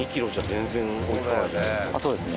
そうですね。